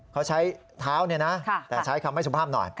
เขาใช้เท้าเนี่ยนะแต่ใช้คำไม่สุภาพหน่อย